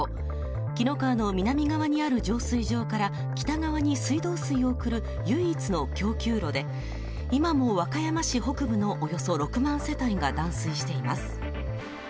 紀の川の南側にある浄水場から北側に水道水を送る唯一の供給路で、今も和歌山市北部のおよそ６万世帯が断水しています